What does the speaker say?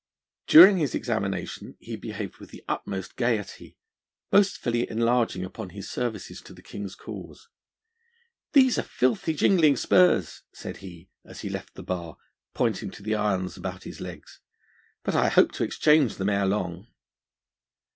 During his examination he behaved with the utmost gaiety, boastfully enlarging upon his services to the King's cause. 'These are filthy jingling spurs,' said he as he left the bar, pointing to the irons about his legs, 'but I hope to exchange them ere long.'